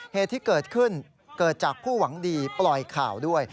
เหตุที่เกิดขึ้นเกิดจากผู้หวังดีปล่อยข่าวด้วย